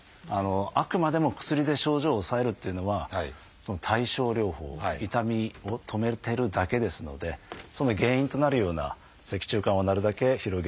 あくまでも薬で症状を抑えるっていうのは対症療法痛みを止めてるだけですのでその原因となるような脊柱管をなるだけ広げる。